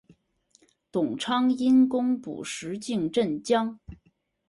董昌因功补石镜镇将。